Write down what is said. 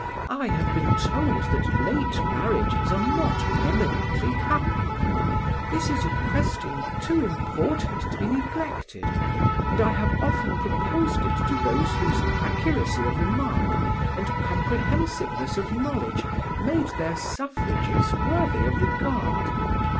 I have been told that late marriages are not eminently happy. This is a question too important to be neglected; and I have often proposed it to those whose accuracy of remark and comprehensiveness of knowledge made their suffrages worthy of regard.